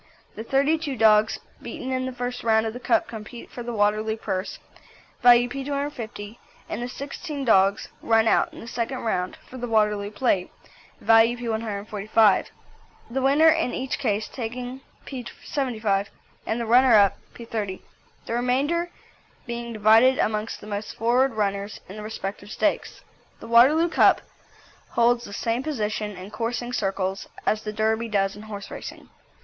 The thirty two dogs beaten in the first round of the Cup compete for the Waterloo Purse, value P215, and the sixteen dogs run out in the second round for the Waterloo Plate, value P145. The winner in each case taking P75, and the runner up P30, the remainder being divided amongst the most forward runners in the respective stakes. The Waterloo Cup holds the same position in coursing circles as the Derby does in horse racing.